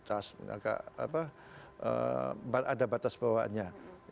ada batas bawaannya